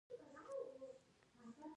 مال خطرونه باید په پام کې ونیول شي.